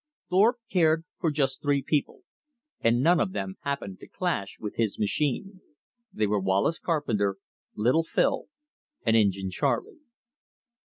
Thorpe cared for just three people, and none of them happened to clash with his machine. They were Wallace Carpenter, little Phil, and Injin Charley.